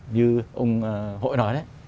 như ông hội nói đấy